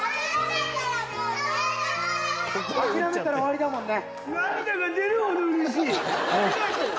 諦めたら終わりだもんね。